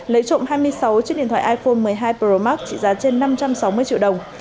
lấy trộm hai mươi sáu chiếc điện thoại iphone một mươi hai pro max trị giá trên năm trăm sáu mươi triệu đồng